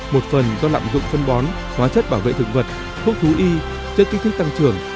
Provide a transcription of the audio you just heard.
một phần do lạm dụng phân bón hóa chất bảo vệ thực vật thuốc thú y chất kích thích tăng trưởng